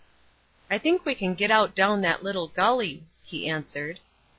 "I think we can get out down that little gully," he answered.